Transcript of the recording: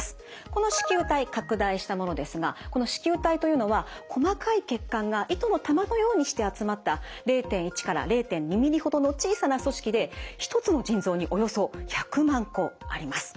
この糸球体拡大したものですがこの糸球体というのは細かい血管が糸の玉のようにして集まった０．１から０．２ｍｍほどの小さな組織で１つの腎臓におよそ１００万個あります。